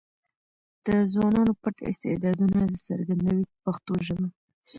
د ځوانانو پټ استعدادونه راڅرګندوي په پښتو ژبه.